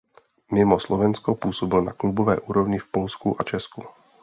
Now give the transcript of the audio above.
Mimo Slovensko působil na klubové úrovni v Polsku a Česku.